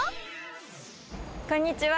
こんにちは。